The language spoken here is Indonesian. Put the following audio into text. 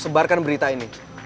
sebarkan berita ini